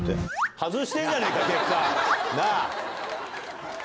外してんじゃねえか結果なぁ。